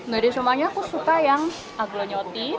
dari semuanya aku suka yang aglognotti